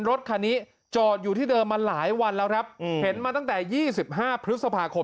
รถคันนี้จอดอยู่ที่เดิมมาหลายวันแล้วครับเห็นมาตั้งแต่๒๕พฤษภาคม